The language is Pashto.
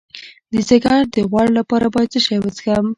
د ځیګر د غوړ لپاره باید څه شی وڅښم؟